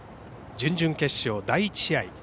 準々決勝、第１試合。